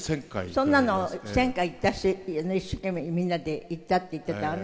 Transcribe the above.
そんなの１０００回言った人「一生懸命みんなで言った」って言っていたわね。